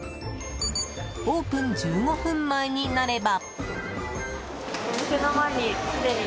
オープン１５分前になれば。